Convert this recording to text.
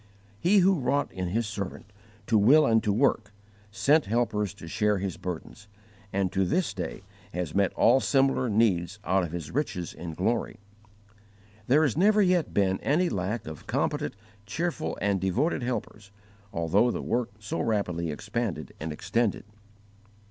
He who wrought in His servant to will and to work, sent helpers to share his burdens, and to this day has met all similar needs out of His riches in glory. There has never yet been any lack of competent, cheerful, and devoted helpers, although the work so rapidly expanded and extended.